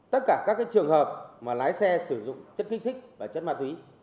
tất cả các trường hợp mà lái xe sử dụng chất kích thích và chất ma túy